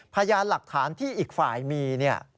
พยายามหลักฐานที่อีกฝ่ายมี